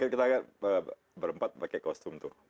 kita berempat pakai kostum tuh